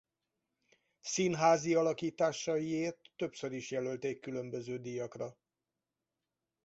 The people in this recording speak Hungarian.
Színházi alakításaiért többször is jelölték különböző díjakra.